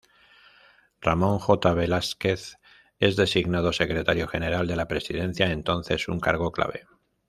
Ramón J. Velásquez es designado secretario general de la Presidencia, entonces un cargo clave.